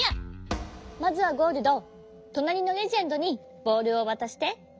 まずはゴールドとなりのレジェンドにボールをわたして。